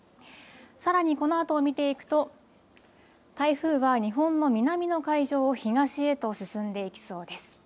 さらにこのあとを見ていくと台風は日本の南の海上を東へと進んでいきそうです。